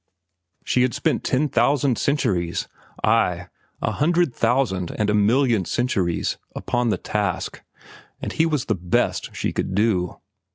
She had spent ten thousand centuries—ay, a hundred thousand and a million centuries—upon the task, and he was the best she could do.